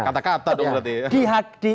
ini kata kata dong berarti